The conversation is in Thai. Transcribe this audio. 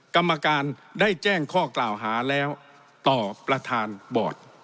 กรรมการได้แจ้งข้อกล่าวหาแล้วต่อประธานบอร์ด